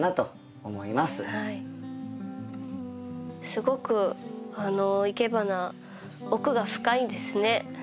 すごくいけばな奥が深いんですね。